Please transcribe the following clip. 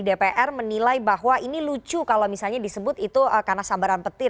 dpr menilai bahwa ini lucu kalau misalnya disebut itu karena sambaran petir